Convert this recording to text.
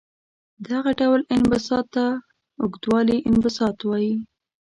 دغه ډول انبساط ته اوږدوالي انبساط وايي.